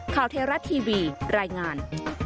ข่าวเทวรัตน์ทีวีรายงาน